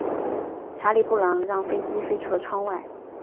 查理布朗让飞机飞出了窗外。